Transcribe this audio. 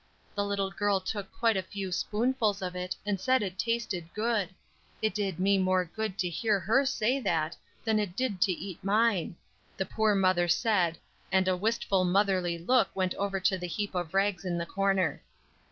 The little girl took quite a few spoonfuls of it and said it tasted good; it did me more good to hear her say that, than it did to eat mine," the poor mother said, and a wistful motherly look went over to the heap of rags in the corner.